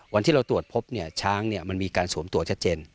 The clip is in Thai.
วันที่เราตรวจพบช้างมันมีการสวมตัวชัดเจน